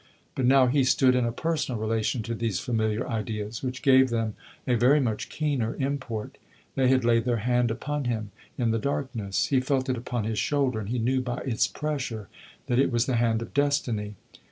But now he stood in a personal relation to these familiar ideas, which gave them a very much keener import; they had laid their hand upon him in the darkness, he felt it upon his shoulder, and he knew by its pressure that it was the hand of destiny.